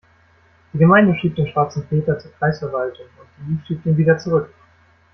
Die Gemeinde schiebt den schwarzen Peter zur Kreisverwaltung und die schiebt ihn wieder zurück.